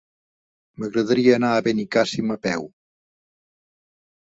M'agradaria anar a Benicàssim a peu.